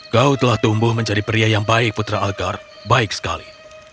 kau telah tumbuh menjadi pria yang baik putra algar baik sekali